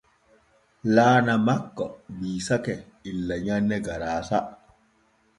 Laana makko biisake illa nyanne garaasa.